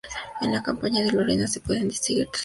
En la campaña de Lorena se pueden distinguir tres etapas.